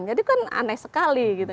jadi kan aneh sekali gitu